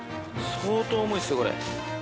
相当重いっすよこれ。